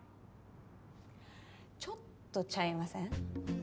ちょっとちゃいません？